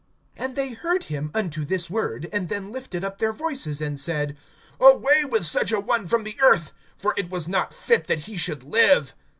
(22)And they heard him unto this word, and then lifted up their voices, and said: Away with such a one from the earth; for it was not fit that he should live.